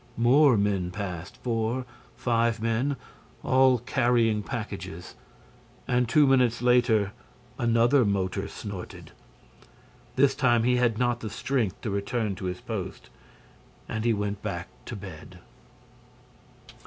More men passed—four, five men—all carrying packages. And, two minutes later, another motor snorted. This time, he had not the strength to return to his post; and he went back to bed.